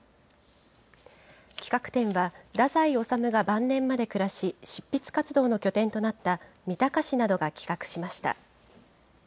企画展は太宰治が晩年まで暮らし、執筆活動の拠点となった三鷹市などが企画しました。